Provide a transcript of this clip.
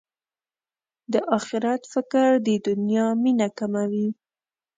د اخرت فکر د دنیا مینه کموي.